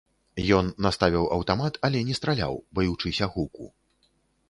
Ён наставіў аўтамат, але не страляў, баючыся гуку.